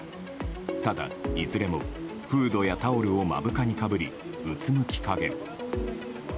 ただ、いずれもフードやタオルを目深にかぶり、うつむき加減。